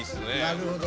なるほど。